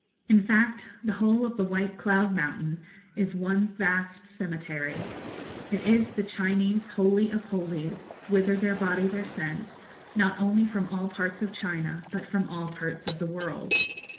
In fact the whole of the White Cloud Mountain is one vast cemetery it is the Chinese Holy of Holies, whither their bodies are sent, not only from all parts of China, but from all parts of the world.